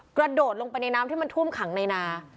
กระโดดลงไปในน้ำที่มันท่วมขังในนา